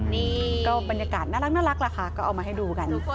นี่ก็บรรยากาศน่ารักล่ะค่ะก็เอามาให้ดูกัน